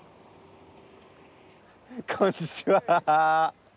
こんにちは。